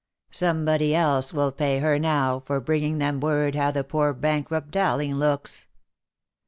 Somebody else will pay her now, for bringing them word how the poor bankrupt Dowling looks."